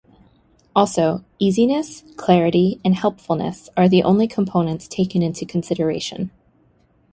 Also, "easiness", "clarity", and "helpfulness" are the only components taken into consideration.